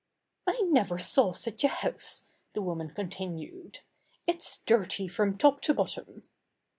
"I never saw such a house!" the woman con tinued. "It's dirty from top to bottom."